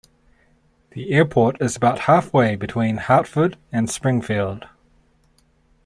The airport is about halfway between Hartford and Springfield.